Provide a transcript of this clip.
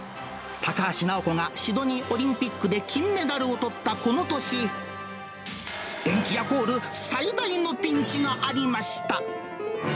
高橋尚子がシドニーオリンピックで金メダルをとったこの年、デンキヤホール最大のピンチがありました。